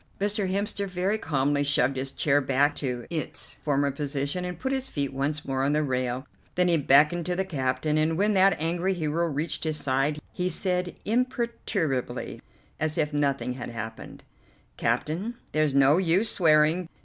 Mr. Hemster very calmly shoved his chair back to its former position, and put his feet once more on the rail, then he beckoned to the captain, and when that angry hero reached his side he said imperturbably, as if nothing had happened: "Captain, there's no use swearing.